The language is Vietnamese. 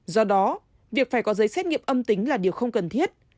do đó việc phải có giấy xét nghiệm âm tính là điều không cần thiết